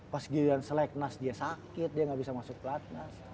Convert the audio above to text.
pas giliran selek nas dia sakit dia gak bisa masuk platnas